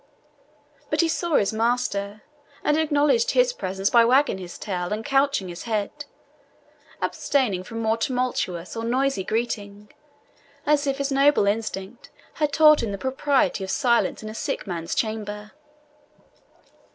But he saw his master, and acknowledged his presence by wagging his tail and couching his head, abstaining from more tumultuous or noisy greeting, as if his noble instinct had taught him the propriety of silence in a sick man's chamber.